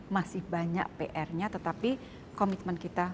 masih banyak pr nya tetapi komitmen kita